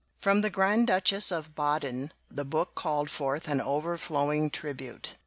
From the Grand Duchess of Baden the book called forth an overflowing tribute.